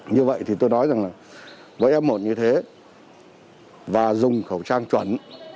như vậy thì tôi nói rằng là với f một như thế và dùng khẩu trang chuẩn